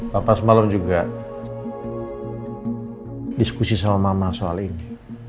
bapak semalam juga diskusi sama mama soal ini